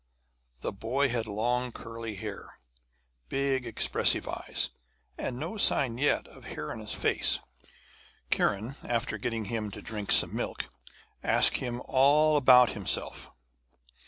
The boy had long curly hair, big expressive eyes, and no sign yet of hair on the face. Kiran, after getting him to drink some milk, asked him all about himself.